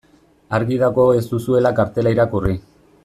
Argi dago ez duzuela kartela irakurri.